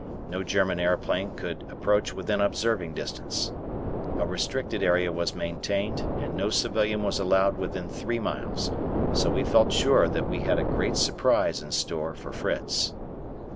No German aeroplane could approach within observing distance. A restricted area was maintained and no civilian was allowed within three miles, so we felt sure that we had a great surprise in store for Fritz.